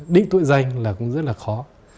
đính tội danh là cũng rất là khó